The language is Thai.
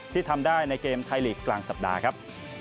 ที่ทำได้ในเกมไทยลีกกลางสัปดาห์ครับ